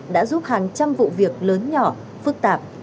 đã giúp hàng trăm vụ việc lớn nhỏ phức tạp